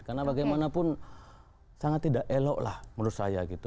karena bagaimanapun sangat tidak elok lah menurut saya gitu